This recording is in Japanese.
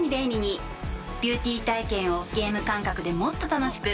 ビューティー体験をゲーム感覚でもっと楽しく。